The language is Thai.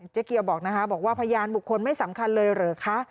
เจ๊เกียวบอกนะคะบอกว่าพยานบุคคลไม่สำคัญเลยเหรอคะ